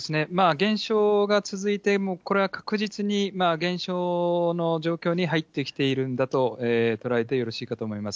減少が続いて、これは確実に減少の状況に入ってきているんだと捉えてよろしいかと思います。